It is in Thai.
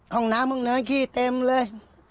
ห้องน้ำห้องเหนือขี้เต็มเลย